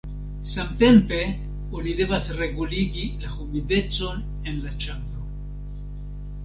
Samtempe oni devas reguligi la humidecon en la ĉambro.